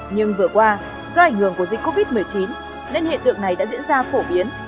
nhưng vừa qua do ảnh hưởng của dịch covid một mươi chín nên hiện tượng này đã diễn ra phổ biến